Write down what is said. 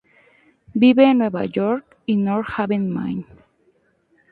Vive en Nueva York y North Haven, Maine.